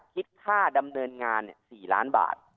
คิดค่าดำเนินงาน๔ล้านบาท